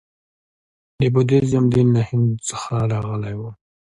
د بودیزم دین له هند څخه راغلی و